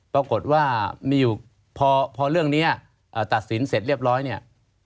ปรากฏว่ามีอยู่พอเรื่องนี้ตัดสินเสร็จเรียบร้อยเนี่ย